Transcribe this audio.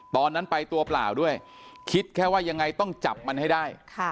ตอนนั้นไปตัวเปล่าด้วยคิดแค่ว่ายังไงต้องจับมันให้ได้